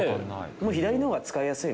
もう左のほうが使いやすい？